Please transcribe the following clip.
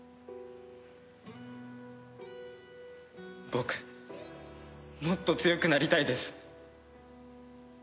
僕もっと強くなりたいです！